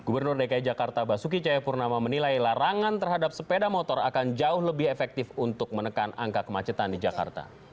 gubernur dki jakarta basuki cayapurnama menilai larangan terhadap sepeda motor akan jauh lebih efektif untuk menekan angka kemacetan di jakarta